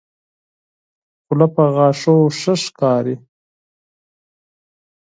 خله په غاښو ښه ښکاري.